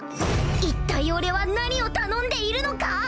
一体俺は何を頼んでいるのか？